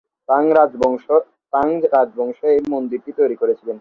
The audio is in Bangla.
থাং রাজবংশ এই মন্দিরটি তৈরি করেছিল।